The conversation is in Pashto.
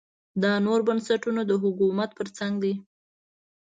دا نور بنسټونه د حکومت په څنګ دي.